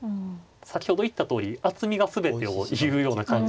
先ほど言ったとおり厚みが全てをいうような感じなので。